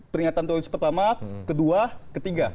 peringatan tulis pertama kedua ketiga